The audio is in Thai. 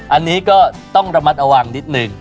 อันนี้ก็ต้องระมัดระวังนิดนึง